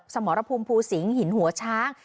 สมรภูมิภูสิงหินหัวช้าง